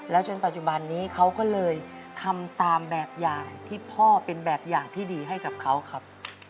จนปัจจุบันนี้เขาก็เลยทำตามแบบอย่างที่พ่อเป็นแบบอย่างที่ดีให้กับเขาครับ